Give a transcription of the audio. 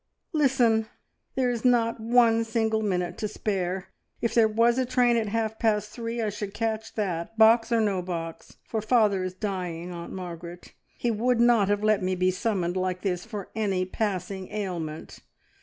"Listen! there is not one single minute to spare. If there was a train at half past three, I should catch that, box or no box, for father is dying, Aunt Margaret he would not have let me be summoned like this for any passing ailment.